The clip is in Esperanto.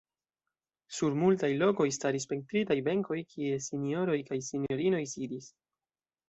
Sur multaj lokoj staris pentritaj benkoj, kie sinjoroj kaj sinjorinoj sidis.